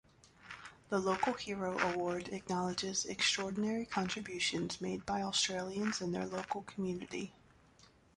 The Local Hero Award acknowledges extraordinary contributions made by Australians in their local community.